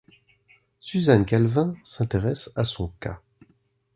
Susan Calvin s'intéresse à son cas.